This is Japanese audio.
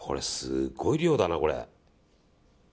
すごい量だな、これ。